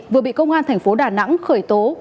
vừa bị công an thành phố đà nẵng khởi tố